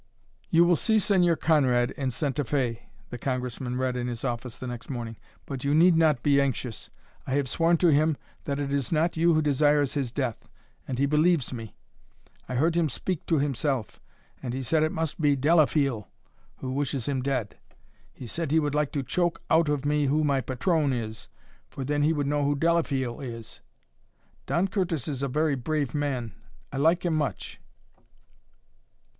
"You will see Señor Conrad in Santa Fe," the Congressman read in his office the next morning, "but you need not be anxious. I have sworn to him that it is not you who desires his death, and he believes me. I heard him speak to himself, and he said it must be Delafeel who wishes him dead. He said he would like to choke out of me who my patron is, for then he would know who Delafeel is. Don Curtis is a very brave man. I like him much."